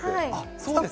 そうですね。